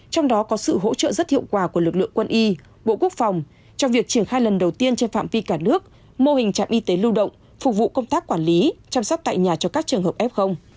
trong đó có sự hỗ trợ rất hiệu quả của lực lượng quân y bộ quốc phòng trong việc triển khai lần đầu tiên trên phạm vi cả nước mô hình trạm y tế lưu động phục vụ công tác quản lý chăm sóc tại nhà cho các trường hợp f